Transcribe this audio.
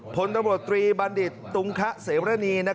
ผลตำรวจตรีบัณฑิตตุงคะเสรณี